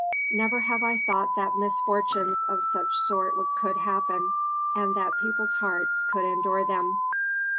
Never have I thought that misfortunes of such sort could happen, and that people's hearts could endure them."